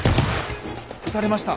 撃たれました。